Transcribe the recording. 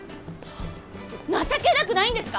情けなくないんですか？